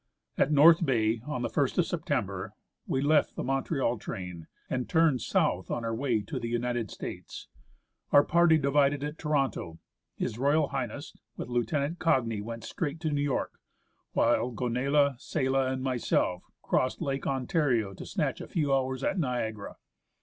At North Bay, on the ist of September, we left the Montreal train, and turned south on our way to the United States. Our party divided at Toronto. H.R.H. with Lieut. Cagni went straight to New York, while Gonella, Sella, and myself crossed Lake Ontario to snatch a few hours at Niagara.